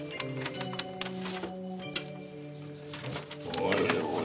おいおい